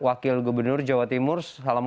wakil gubernur jawa timur